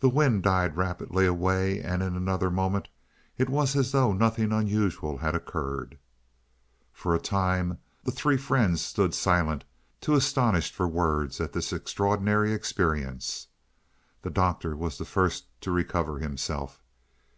The wind died rapidly away, and in another moment it was as though nothing unusual had occurred. For a time the three friends stood silent, too astonished for words at this extraordinary experience. The Doctor was the first to recover himself.